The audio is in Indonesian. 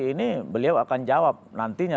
ini beliau akan jawab nantinya